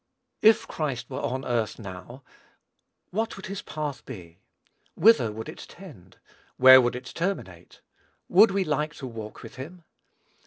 If Christ were on earth, now, what would his path be? Whither would it tend? Where would it terminate? Would we like to walk with him?